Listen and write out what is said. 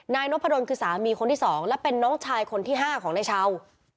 นายนกพะดนคือสามีคนที่สองและเป็นน้องชายคนที่ห้าของในเช่า